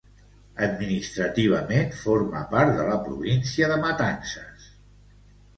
Administrativament, forma part de la província de Matanzas.